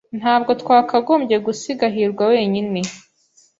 Ntabwo twakagombye gusiga hirwa wenyine wenyine.